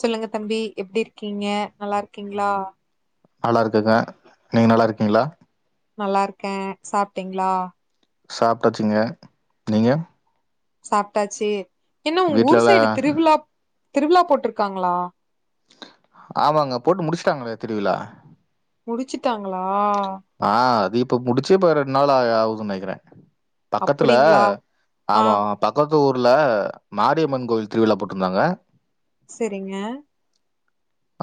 சொல்லுங்க தம்பி எப்டி இருக்கீங்க நல்லா இருக்கீங்ளா நல்லா இருக்கக்கா நீங்க நல்லா இருக்கீங்ளா நல்லா இருக்கேன் சாப்ட்டீங்களா சாப்டாச்சுங்க நீங்க சாப்ட்டாச்சு என்ன உங்க ஊர் வீட்லலா சைடு திருவிழா திருவிழா போட்டிருக்காங்களா ஆமாங்க போட்டு முடிச்சுட்டாங்களே திருவிழா முடிச்சுட்டாங்களா ஆ அது இப்ப முடிச்சே இப்ப ரெண்டு நாள் அ ஆகுதுன் நனைக்கற பக்கத்துல அப்டிங்களா ஆ ஆமா ஆமா பக்கத்து ஊர்ல மாரியம்மன் கோயில் திருவிழா போட்ருந்தாங்க சரிங்க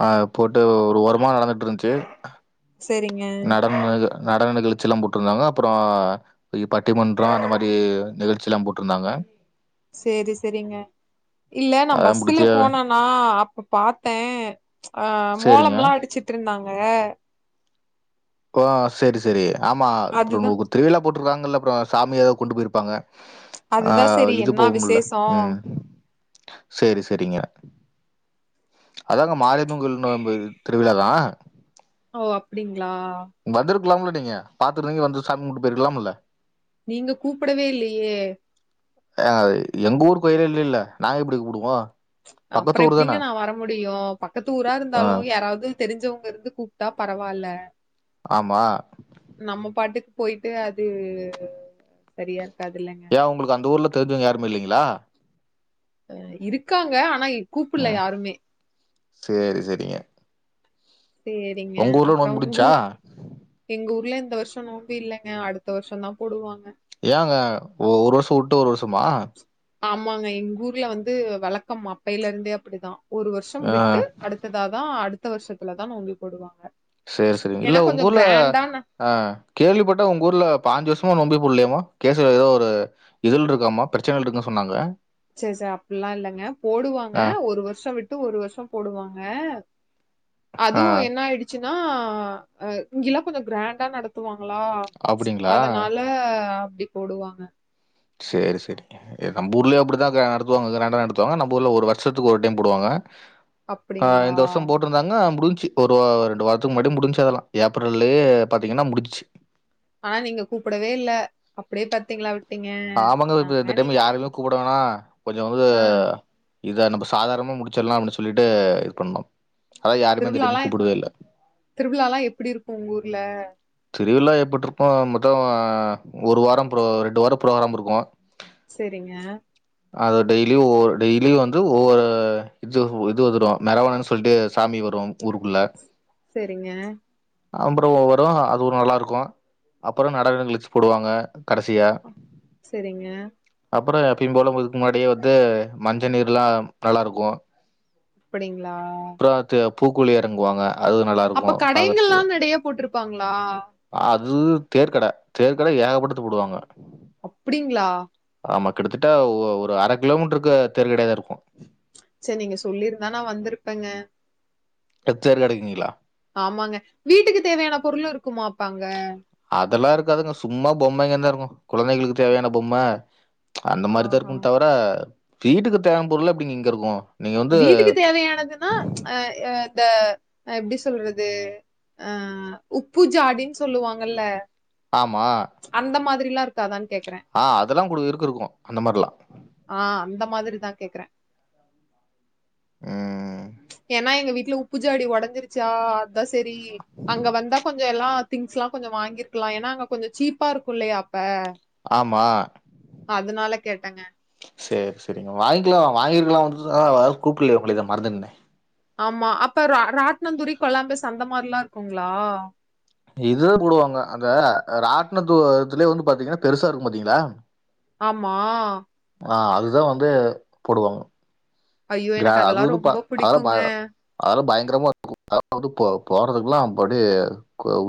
அ போட்டு ஒரு ஓரமா நடந்துட்ருந்துச்சு சரிங்க ம் அது நடன நிகழ்ச்சி எல்லாம் போட்டுருந்தாங்க அப்புரோ இ பட்டிமன்றம் அந்த மாரி நிகழ்ச்சி எல்லா போட்ருந்தாங்க சேரி செரிங்க இல்ல நா அதெல்லாம் பஸ்ல முடிச்சு போனனா அப்ப பாத்த அ மோளம் சரிங்க. எல்லாம் அடிச்சிட்ருந்தாங்க கோ செரி செரி ஆமா அதுதா திருவிழா போட்டுற்தாங்கல்ல அப்றோ சாமி ஏதாது கொண்டு போயிருப்பாங்க அ அதுதா செரி இது என்னா போகும்ல விசேஷோ உம் சேரி செரிங்க அதாங்க மாரியம்மன் கோயில்நோம்பு திருவிழா தா ஓ அப்டிங்களா வந்துருக்கலாம்ல நீங்க பாத்துட்றீங்க வந்து சாமி கும்டு போயிருக்கலாம்ல்ல நீங்க கூப்படவே இல்லயே அ எங்க ஊர் கோயிலே இல்லேல்ல நாங்க எப்டி கூப்டுவோம் அப்பற எப்டிங்க நா வர முடியும் பக்கத்து ஊரா ஆ இருந்தாலும் யாராது தெரிஞ்சவங்கருந்து கூப்ட்டா பரவால்ல ஆமா நம்ம பாட்டுக்கு போயிட்டு அது சரியா இருக்காது இல்லைங்க ஏ உங்களுக்கு அந்த ஊர்ல தெரிஞ்சவுங்க யாருமே இல்லைங்ளா இருக்காங்க ஆனா கூப்பல ம் யாருமே சேரி சேரிங்க சேர் ஒங்க ஊர்ல நோம்ப் முடிச்சா எங்க ஊர்ல இந்த வருஷோ நோம்பி இல்லங்க அடுத்த வருஷோ தா போடுவாங்க ஏங்க ஒ ஒரு வருஷோ உட்டு ஒரு வருஷமா ஆமாங்க எங்க ஊர்ல வந்து வழக்கம் அப்பையில இருந்தே அப்படிதா ஒரு வருஷம் ஆ விட்டு அடு த்தாதா அடுத்த வருஷத்துல தா நோம்பி போடுவாங்க சேரி சேரி இல்ல ஏன்னா உங்க கொஞ்சம் ஊர்ல கிராண்டா ந ஆ கேள்விப்பட்ட உங்க ஊர்ல பாஞ்சு வருஷமா நோம்பே போட்லயாமா கேசல ஏதோ ஒரு இதுல இருக்காமா பிரச்சனைல இருக்குன் சொன்னாங்க ச ச அப்பட்ல்லா இல்லைங்க போடுவாங்க ஆ, ஒரு வருஷோ விட்டு ஒரு வருஷம் போடுவாங்க ஆ அதுவு என்னா ஆய்டு ச்சுனா அ இங்கல்லா கொஞ்சோ கிராண்டா நடத்துவாங்களா அப்படிங்களா? அதனால அ அப்டி போடுவாங்க சேரி சேரிங்க நம்ப ஊர்லயூ அப்படி நடத்துவாங்க கிரண்டா நடத்துவாங்க நம்ப ஊர்ல ஒரு வருஷத்துக்கு ஒரு டைம் போடுவாங்க ஆ அப்படிங்களா இந்த வருஷம் போட்ருந் தாங்க முடிஞ்ச்சு ஒரு ரெண்டு வாரத்துக்கு முன்னாடியே முடிஞ்ச்சு அதெல்லா ஏப்ரல்லே பாத்தீங்கன்னா முடிஞ்ச்சு ஆனா நீங்க கூப்படவே இல்ல அப்டே பாத்தீங்களா விட் ஆமாங்க இப்ப இந்த டைம் யாருமே கூப்பட வேணா கொஞ்சோ வந்து ஆ இத நம்ப சாதாரணமா முடிச்சட்லா அப்டின்னு சொல்லிட்டு இது பண்ணோ திருவிழாலா திருவிழாலா எப்டி இருக்கு உங்க ஊர்ல திருவிழா எப்ட்டுருப்போ மொத்தோ ஒரு வாரம் ப்ரோ ரெண்டு வாரோ ஃப்ரோகராம் இருக்கு சேரிங்க அது டெய்லியு ஒரு டெய்லியு வந்து ஒவ்வொரு இது இது வந்துரு மெரவான்னு சொல்ட்டு சாமி வரு ஊருக்குள்ள சேரிங்க அப்புறோ ஒவ்வொரு அது ஒரு நல்லா இருக்கு அப்புறோ நடன நிகழச்சு போடுவாங்க கடைசியா சேரிங்க அப்பறோ எப்புயுபோல இதுக் முன்னாடியே வந்து மஞ்சள் நீர்ல்லா நல்லா இருக்கு அப்படிங்ளா [unintelligible] பூக்குழி எறங்குவாங்க அதுவு நல்லா அப்ப கடைகள்லா நடையா போட்ருப்பாங்களா அது தேர்கட தேர்கட ஏகப்பட்டத்து போடுவாங்க அப்டிங்களா ஆமா கிட்டத்தட்ட ஒரு அர கிலோமீட்ருக்கு தேர் கடயாதா இருக்கு ச்சே நீங்க சொல்லி இருந்தா நா வந்திருப்பங்ங ட தேர்கடைக்கீங்ளா ஆமாங்க வீட்டுக்கு தேவையான பொருளூ இருக்குமா அப்ப அங்க அதெல்லா இருக்காதுங்க சும்மா பொம்மைங்க தா இருக்கு குழந்தைகளுக்கு தேவையான பொம்ம அந்த மாரி தா ஆஹா இருக்கும் தவர வீட்டுக்கு தேவயான பொருளா எப்டி இங்க இருக்கும் நீங்க வந்து வீட்டுக்கு தேவையானதுன்னா அ இ இந்த எப்டி சொல்றது அ உப்பு ஜாடின்னு சொல்லுவாங்கல்ல ஆமா அந்த மாதிரில்லா இருக்காதான்னு கேக்குறேன் ஆ அதெல்லா கூட இருக்கு இருக்குன் அந்த மாரிலா ஆன் அந்த மாரிதா கேக்குறே ம் ஏன்னா எங்க உப்பு ஜாடி ஒடஞ்சிருச்சா அதா சரி அங்க வந்தா கொஞ்ச எல்லா திங்ஸ்ல்லா கொஞ்ச வாங்கிருக்கலா ஏன்னா அங்க கொஞ்ச சீப்பா இருக்கு இல்லயா அப்ப ஆமா அதனால கேட்டங்க சேரி சேரிங்க வாங்கிக்கலான் வாங்கியிருக்காலாம் யாரு கூப்பிடலயா உங்களுக்கு இதா மறந்து ஆமா அப்ப ரா ராட்டின தூரி கொல்லாம்பஸ் அந்த மாரில்லா இருக்குங்களா இதுதா போடுவாங்க அந்த ராட்டனத்து துலயே வந்து பாத்தீங்கனா பெருசா இருக்கு பாத்தீங்களா ஆமா ஆ அதுதா வந்து போடுவாங்க ஐயோ க எனக்கு அது அதெல்லாம் வந்து ரொம்ப அதெல்லா பிடிக்குங்க அதெல்லா பயங்கரமா இருக்குன் அத வந்து போ போறதுகெல்லா அப்டியே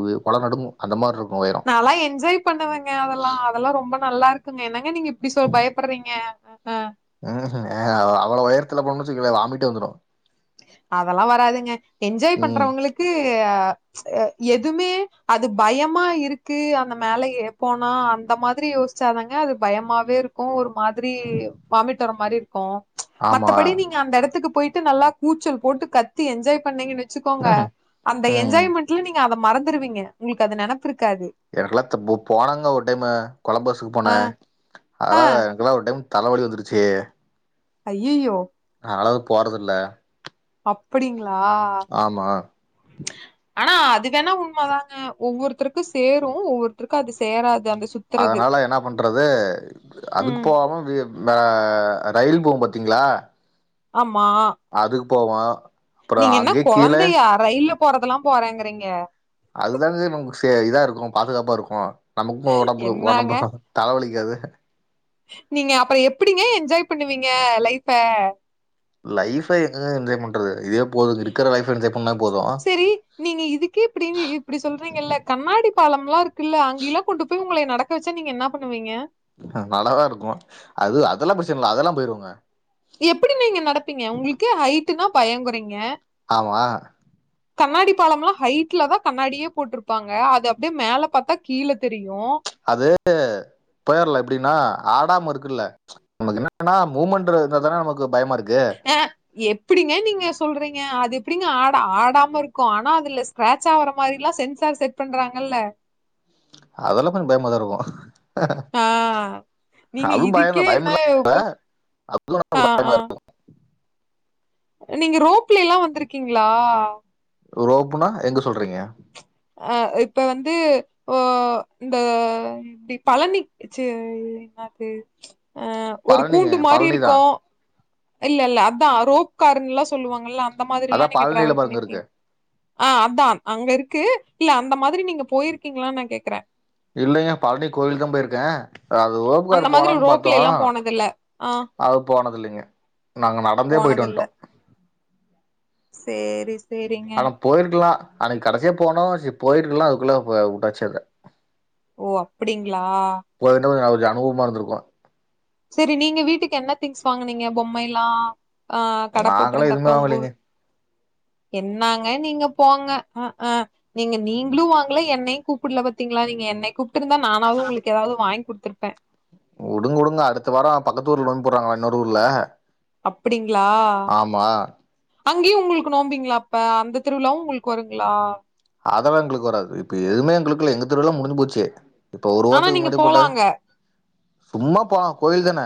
உயி கொல நடுங்குன் அந்த மார்ருக்கும் நல்லா என்ஜாய் பண்ணுவங்க அதல்லாம் அதெல்லா ரொம்ப நல்லா இருக்குமே என்னங்க நீங்க இப்டி சொ பயப்படுறீங்க அன் ம் ம் அவ்ளவு உயரத்துல போனோன் வச்சிக்கோங்களேன் வாமிட்டே வந்துரும் அதெல்லா வராதுங்க என்ஜாய் ம் பண்றவங்குளுக்கு எதுவுமே அது பயமா இருக்கு அந்த மேல எ போனா அந்த மாதுரி ச்சாதாங்க தாங்கே அது பயமாவே இருக் கு ஒரு மாதிரி வாமிட் வர மாரி இருக்கு ஆமா மத்தபடி நீங்க அந்த எடத்துக்கு போயிட்டு நல்லா கூச்சல் போட்டு கத்தி என்ஜாய் பண்ணீங்கன்னு வச்சுக்கோங்க ம்ஹூம் அந்த ம் என்ஜாய்மெண்ட்ல நீங்க அத மறந்துருவீங்க உங்களுக்கு அந்த நெனப்பு இருக்காது எனக்குல்லா துப் போனாங்க ஒரு டைம் கொலம்பஸ்க்கு போன ஆ ஆ அதெல்லா ல்லாம் ஒரு டைம் தலைவலி வந்துருச்சு ஐய்யயோ அதனால அது போறத இல்ல அப்டிங்களா ஆனா அது வேணா உண்ம தாங்க ஒவ்வொருத்தருக்கும் சேரும் ஒவ்வொருத்தருக்கும் அது சேராது அந்த சுத் அதனால என்ன பண்றது ம் அதுக்கு போகாம வே இந்த ரயில் போம் பாத்தீங்களா ஆமா அதுக்கு போவன் நீங்க என்ன கொழந்தையா ரயில்ல போறதெல்லாம் போறேங்கறீங்க அதுதாங்க நமக் இதா இருக்கும் பாதுகாப்பா இருக்கும் நமக்கும் நம்ம என்னங்க ஒடம்புக்கு தலவலிக்காது நீங்க அப்பறம் எப்டிங்க என்ஜாய் பண்ணுவீங்க லைஃப்ப லைஃப எங்க என்ஜாய் பண்றது இதே போதும் இருக்கிற லைப் என்ஜாய் பண்ணா போதும் செரி நீங்க இதுக்கே இப்டி இப்டி சொல்றீங்கல்ல கண்ணாடி பாலம்ல்லா இருக்குல்ல அங்கல்லாம் கொண்டு போய் உங்கள நடக்க வச்ச நீங்க என்ன பண்ணுவீங்க அ நல்லாதா இருக்கோ அது அதெல்லா பிரச்சன இல்ல அதெல்லா போயிருவங்க எப்டி நீங்க நடப்பீங்க உங்குளுக்கே ஹைட்டுனா பயங்கீறீங்க ஆமா கண்ணாடி பாலம்ல்லா ஹைட்ல தா கண்ணாடியே போட்டிருப்பாங்க அது அப்டியே மேல பாத்தா கீழ தெரியு அது போயர்ல எப்டின்னா ஆடாம இருக்குல்ல உனக்கு என்னன்னா மூவ்மெண்ட் இருந்தா தானே நமக்கு பயமா இருக்கு ஆ எப்டிங்க நீங்க சொல்றீங்க அது எப்டிங்க ஆட ஆடாம இருக்கு ஆனா அதுல ஸ்கேர் சாவற மாரிலா சென்சார் செட் பண்றாங்கல்ல அதெல்லா கொஞ்சம் பயமாகதா இருக்கு ஆ நீங்க அதுவு பயமா இதுக்கே என்ன பயம்லா இல்ல இப்ப அது நம ஆ பயமா ஆ இருக்கு நீங்க ரோப்ல எல்லா வந்திருக்கீங்ளா ரோப்புனா எங்க சொல்றீங்க ஆ இப்ப வந்து ஓ இந்த எப்டி பழனிக் ச்சீ என்னாது அ ஒரு பழனிங்க கூண்டு மாரி பழனிதா இருக்கு இல்ல இல்ல அதான் ரோப் காருன்ல்லா சொல்லுவாங்கல்ல அந்தமாரில்லா அதா நீங்க பழனில டிராவல் பாருங்க பண்ணிருக்கீங் இருக்கு ஆ அதா அங்க இருக்கு இல்ல அந்த மாரி நீங்க போயிருக்கீங்களான் நா கேக்குற இல்லங்க பழனி கோயிலு தான் போயிருக்கேன் அது ரோப்புகாரு அந்த மாதிரி போலாம்னு பாத்தோ ரோப்லேல்லா போனதில்ல ஆ அது போனதில்லைங்க நாங்க நடந்தே போய்ட்டு போனதில்ல வந்துட்டோ சேரி செரிங்க ஆனா போயிருக்கலா அன்னைக்கி கடைசியா போனோ செரி போயிருக்ளா அதுகுள்ள வுட்டாச்சு அங்க ஓ அப்டிங்ளா போயிருந்தா கொஞ்சோ அனுபவமா இருந்திருக்கும் செரி நீங்க வீட்டுக்கு என்ன திங்ஸ் வாங்குனீங்க பொம்மைல்லா ஆ கட நாங்களா எதுவுமே போட்டுருந்தப்ப உங்க வாங்கலைங்க ஊர் என்னாங்க நீங்க போங்க அ அ நீங்க நீங்குளு வாங்கள என்னையு கூப்பல பாத்தீங்களா நீங்க என்ன கூப் ட்ருந்தா நானாவது உங்குளுக்கு ஏதாவது வாங்கி குடுத்துருப்பே உடுங்க உடுங்க அடுத்த வார பக்கத்துஊர்ல நோம்பி போடுறாங்களா இன்னொரு ஊர்ல அப்டிங்ளா ஆமா அங்கேயு உங்குளுக்கு நோம்பிங்களா அப்ப அந்த திருவிழாவு உங்குளுக்கு வருங்ளா அதெல்லா எங்குளுக்கு வராது இப்ப எதுவுமே எங்குளுக்கிள்ள எங்க தெருலா முடிஞ்சு போச்சு. இப்ப ஒரு ஆனா வாரத்துக்கு நீங்க முன்னாடி போட்டே போலாங்க சும்மா போளா கோவில்தான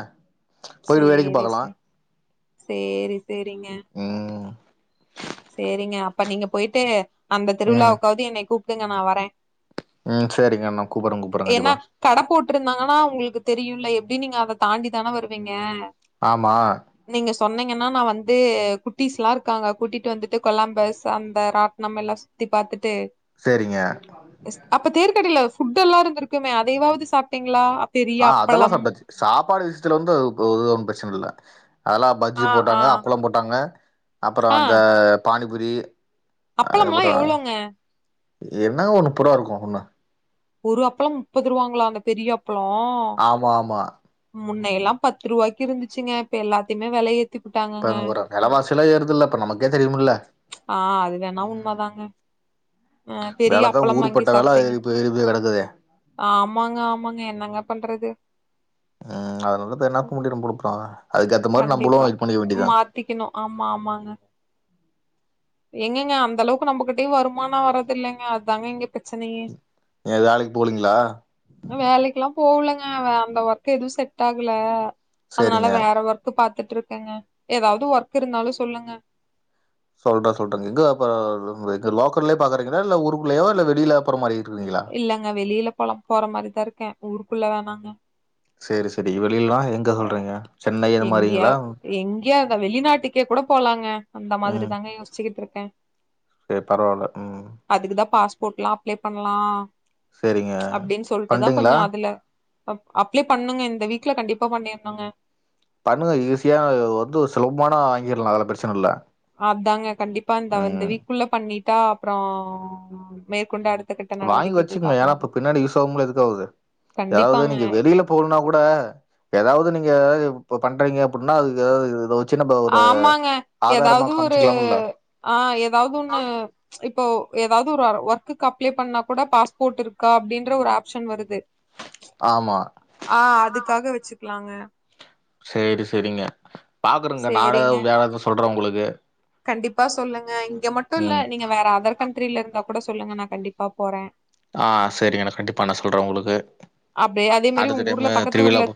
சேரி சார் சேரி செரிங்க உம் சேரிங்க அப்ப நீங்க போயிட்டு அந்த ம் திருவிழாவுக்காவது என்னைய கூப்பிடுங்க நா வரே உம் சேரிங்க நா கூப்பற கூப்பற ஏன்னா கண்டிப்பா கட போட்டுருந்தாங்கன்னா உங்குளுக்கு தெரியும்ல எப்டி நீங்க அத தாண்டி தான வருவீங்க ஆமா நீங்க சொன்னீங்கன்னா நா வந்து குட்டீஸ்ல்லா இருக்காங்க கூட்டிட்டு வந்துட்டு கொல்லம்பஸ் சந்த ராட்னம் எல்லா சுத்தி பாத்துட்டு செரிங்க ஸ் அப்ப தேருகடைல ஃபுட்டுல்லா இருந்துருக்குமே அதயாவது சாப்பிட்டீங்ளா ஆ அதெல்லா சாப்டாச்சு சாப்பாடு விஷயத்துல வந்து ஒத ஒன்றும் பிரச்சன இல்ல அதெல்லாம் பஜ்ஜி ஆ ஆ போட்டாங்க அப்பளம் போட்டாங்க அப்பறோ ஆ அந்த பானிபுரி அப்பளம்லா அதுப்பறோ எவ்ளோங்க என்ன ஒண்ணு நுப்பருவா இருக்கூ ஒண்ணு ஒரு அப்பளம் முப்பது ரூவாங்ளா அந்த பெரிய அப்ளோ ஆமா ஆமா முன்னையல்லா பத்து ரூவாய்க்கி இருந்துச்சுங்க இப்ப எல்லாத்தையுமே வெலயே இப்ப ஒரு வெலவாசில்லா ஏறுதுல்ல இப்ப நமக்கே தெரியுமுல்ல ஆ அது வேணா உண்மதாங்க ஆ பெரிய வேலதா அப்பளம் வாங்கி ஊருப்பட்ட வேல சாப்ட்டேங்க இப்ப ஏறிப்போய் கெடக்குது ஆமாங்க ஆமாங்க என்னங்க பண்றது ம் அதனால [unintelligible] ரொம்ப டுக்றா அதுக்கேத்த மாரி நம்மளு இது பண்ணிக்க வேண்டியதா ட்டிக்கணு ஆமா ஆமாங்க எங்கெங்க அந்த அளவுக்கு நம்பகிட்டயு வருமானம் வரதில்லங்க அத்தாங்க இங்க பிரச்சனையே ஏ வேலைக்கி போலங்ளா வேலைக்கில்லா போவுலங்க அந்த ஒர்க் எது செட் ஆகல சேரிங்க அதனால வேற ஒர்க் கு பாத்துட்ருக்கேங்க எதாவ்து ஒர்க் இருந்தாலு சொல்லுங்க சொல்ற சொல்றேங்க இங்க இப்ப இங்க லோக்கல்லயா பாக்குறீங்களா இல்ல ஊருக்குலயோ இல்ல வெளியில போற மாரி இருக்கீங்களா இல்லங்க வெளியில போல போற மாரிதா இருக்கே ஊருக்குள்ள வேணாங்க சேரி சேரி வெளியிலலா எங்க சொல்றீங்க சென்னை அது எங்கேயா மாரிங்களா எங்கேயாவ்து வெளிநாட்டுக்கே கூட போலாங்க அந்த மாதிரி தாங்க யோஸ்ச்சிகிட்டு இருக்கே சேர் பரவால்ல ம் அதுக்குதா பாஸ்போட்ல்லா அப்ளை பண்லா சேரிங்க அப்டின் சொல்ட்டுதா பண்றீங்களா கொஞ்சோ அதுல அப் அப்ளே பண்ணுங்க இந்த வீக்ல கண்டிப்பா பண்ணீருணுங்க பண்ணுங்க ஈஸியா வந்து சுலபமானா வாங்கிட்லா அதல்லா பிரச்சன இல்ல அதாங்க கண்டிப்பா இந்த இந்த ம் வீக்குள்ள பண்ணிட்டா அப்றோ மேற்கொண்டு அடுத் வாங்கி வச்சுக்குங்க ஏன்னா இப்ப பின்னாடி யூஸ் ஆவும்ள எதுக்காவ்து எதாவ்து கண்டிப்பாங்க. நீங்க வெளில போணுனா கூட எதாவ்து நீங்க பண்றீங்க அப்டின்னா அதுக்கு இது ஆமாங்க எதாவ்து ஒரு காமிச்சுக்கலாம்ல்ல ஆ எதாவ்து ஒண்ணு இப்போ எதாவ்து ஒரு ஒர்க்குக்கு அப்ளே பண்ணா கூட பாஸ்போர்ட் இருக்கா அப்டின்ற ஒரு ஆப்ஷன் வருது [unintelligible] ஆமா ஆ அதுக்காக வெச்சுக்லாங்க சேரி சேரிங்க பாக்குறங்க நானு சரிங்க. வேல எதுவு சொல்றே உங்குளுக்கு கண்டிப்பா சொல்லுங்க இங்க மட்டுல்ல ம் நீங்க வேற அதர் கண்ட்ரில இருந்தா கூட சொல்லுங்க நா கண்டிப்பா போறே ஆ செரிங்க நா கண்டிப்பா நா சொல்றே உங்குளுக்கு அப்டியே அதே மாரி அடுத்த உங்க ஊர்ல டைமு பக்கத்து திருவிழா ஊர்ல போ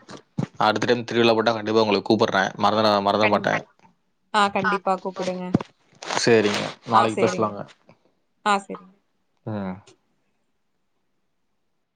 அடுத்த டைம் திருவிழா போட்டா கண்டிப்பா உங்களுக்கு கூப்புட்ற மறந்த கண் மறந்துறமாட்ட ஆ கண்டிப்பா கூப்பிடுங்க. சேரிங்க ஆ நாளைக்கி சரிங்க. பேஸ்லாங்க ஆ செரிங்க ஆ